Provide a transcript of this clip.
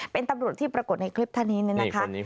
เป็นตำรวจที่ปรากฏในคลิปท่านนี้เนี่ยนะคะ